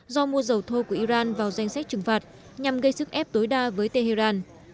do mua dầu thô của iran vào danh sách trừng phạt nhằm gây sức ép tối đa với tehran